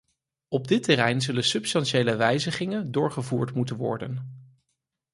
Op dit terrein zullen substantiële wijzigingen doorgevoerd moeten worden.